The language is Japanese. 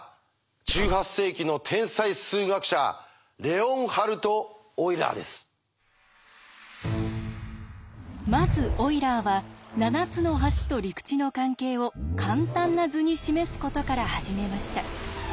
１８世紀の天才数学者まずオイラーは７つの橋と陸地の関係を簡単な図に示すことから始めました。